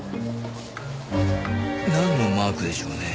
なんのマークでしょうね？